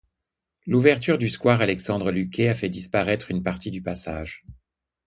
L'ouverture du square Alexandre-Luquet a fait disparaitre une partie du passage.